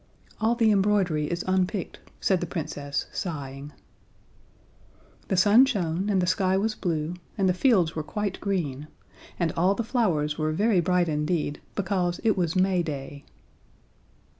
"All the embroidery is unpicked," said the Princess, sighing. The sun shone, and the sky was blue, and the fields were quite green, and all the flowers were very bright indeed, because it was May Day.